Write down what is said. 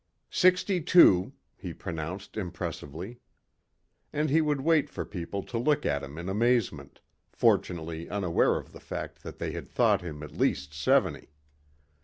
"Sixty two," he pronounced impressively. And he would wait for people to look at him in amazement, fortunately unaware of the fact that they had thought him at least seventy.